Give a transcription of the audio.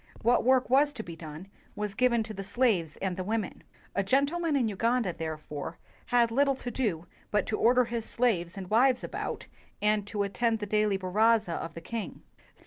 What work was to be done was given to the slaves and the women. A "gentleman" in Uganda, therefore, had lit tle to do but to order his slaves and wives about, and to attend the daily baraza of the king.